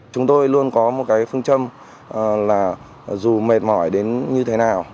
chúng tôi luôn có một cái phương châm là dù mệt mỏi đến như thế nào